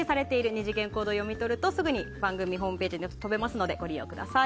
２次元コードを読み取るとすぐに番組ホームページに飛べますのでご利用ください。